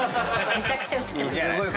めちゃくちゃ映ってます。